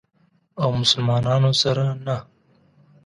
او مسلمانانو سره نه.